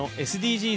ＳＤＧｓ